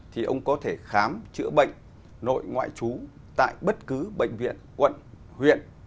thì ông có thể khám chữa bệnh nội ngoại trú tại bất cứ bệnh viện quận huyện